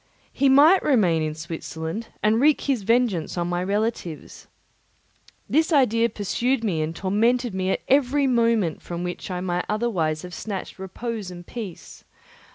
He might remain in Switzerland and wreak his vengeance on my relatives. This idea pursued me and tormented me at every moment from which I might otherwise have snatched repose and peace.